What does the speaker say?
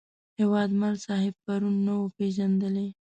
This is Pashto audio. هیوادمل صاحب پرون نه وې پېژندلی.